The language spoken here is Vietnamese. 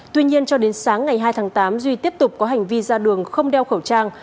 tuy nhiên cho đến sáng ngày hai tháng tám duy tiếp tục có hành vi ra đường không đeo khẩu trang